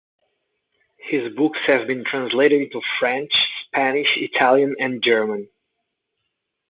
His books have been translated into French, Spanish, Italian, and German.